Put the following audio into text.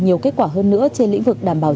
nhiều kết quả hơn nữa trên lĩnh vực đảm bảo